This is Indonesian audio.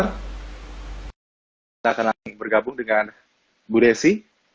kita akan lagi bergabung dengan mbak desi